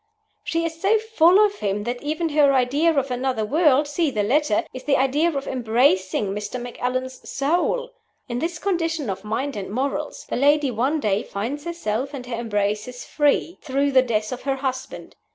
She is so full of him that even her idea of another world (see the letter) is the idea of "embracing" Mr. Macallan's "soul." In this condition of mind and morals, the lady one day finds herself and her embraces free, through the death of her husband.